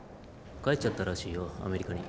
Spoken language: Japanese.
帰っちゃったらしいよアメリカに。